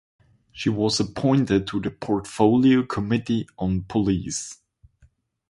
She was appointed to the Portfolio Committee on Police.